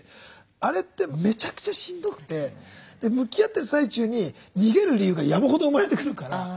あれってめちゃくちゃしんどくて向き合ってる最中に逃げる理由が山ほど生まれてくるから。